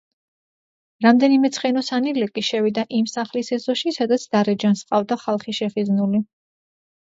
რამდენიმე ცხენოსანი ლეკი შევიდა იმ სახლის ეზოში, სადაც დარეჯანს ჰყავდა ხალხი შეხიზნული.